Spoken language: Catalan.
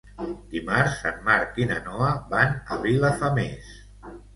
Dimarts en Marc i na Noa van a Vilafamés.